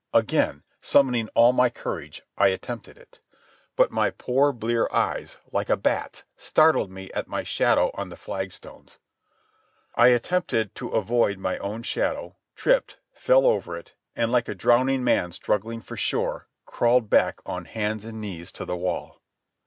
Again, summoning all my courage, I attempted it. But my poor blear eyes, like a bat's, startled me at my shadow on the flagstones. I attempted to avoid my own shadow, tripped, fell over it, and like a drowning man struggling for shore crawled back on hands and knees to the wall.